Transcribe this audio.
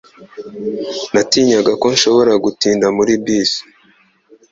Natinyaga ko nshobora gutinda muri bisi.